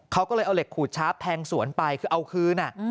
เขาก็เลยเอาเหล็กขูดชาร์ฟแทงสวนไปคือเอาคืน